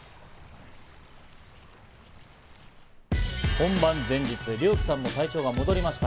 本番前日、リョウキさんの体調が戻りました。